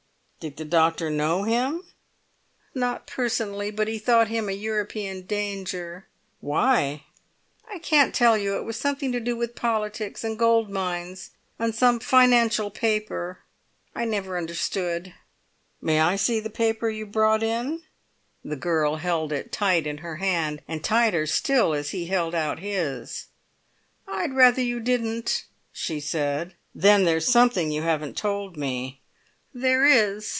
"Did the doctor know him?" "Not personally; but he thought him a European danger." "Why?" "I can't tell you. It was something to do with politics and gold mines, and some financial paper. I never understood." "May I see the paper you've brought in?" The girl held it tight in her hand, and tighter still as he held out his. "I'd rather you didn't," she said. "Then there's something you haven't told me." "There is!"